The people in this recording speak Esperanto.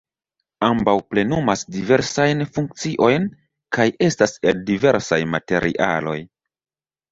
Ambaŭ plenumas diversajn funkciojn kaj estas el diversaj materialoj.